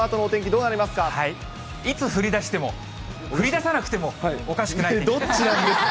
どういつ降りだしても、降りださなくてもおかしくない天気。